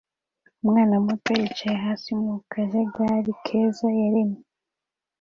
Umwana muto yicaye hasi mu kajagari keza yaremye